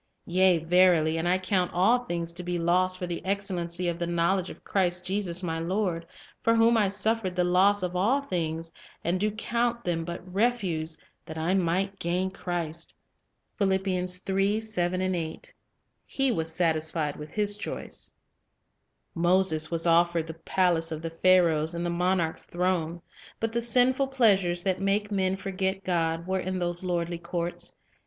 Yea verily, and I count all things to be loss with Their ... r .. choice for the excellency ol the knowledge ot Christ Jesus my Lord; for whom I suffered the loss of all things, and do count them but refuse that I may gain Christ." 4 He was satisfied with his choice. Moses was offered the palace of the Pharaohs and the monarch's throne; but the sinful pleasures that make men forget God were in those lordly courts, and 1 ( 'in 1 1 : 26, 27.